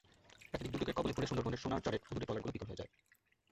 প্রাকৃতিক দুর্যোগের কবলে পড়ে সুন্দরবনের সোনারচরের অদূরে ট্রলারগুলো বিকল হয়ে যায়।